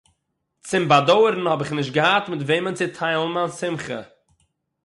צום באַדויערן האָב איך נישט געהאַט מיט וועמען צו טיילן מיין שמחה